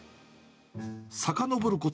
さかのぼること